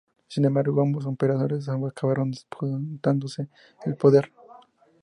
Sin embargo, ambos emperadores acabaron disputándose el poder.